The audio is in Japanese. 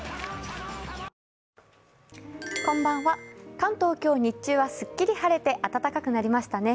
関東、今日、日中はすっきり晴れて、暖かくなりましたね。